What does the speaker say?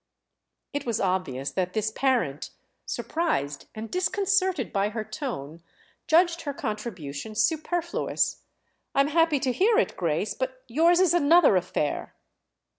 It was obvious that this parent, surprised and disconcerted by her tone, judged her contribution superfluous. "I'm happy to hear it, Grace—but yours is another affair."